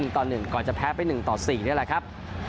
ก่อนจะแพ้ไป๑๔นี่แหละครับ